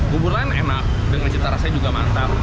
bubur lain enak dengan cipta rasanya juga mantap